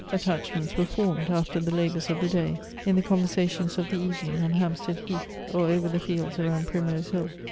Attachments were formed, after the labours of the day, in the conversations of the evening, on Hampstead Heath or over the fields around Primrose Hill.